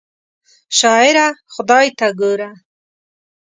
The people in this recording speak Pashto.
شاعره خدای ته ګوره!